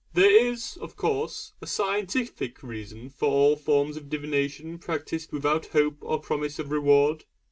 There is, of course, a scientific reason for all forms of divination practised without hope or promise of reward.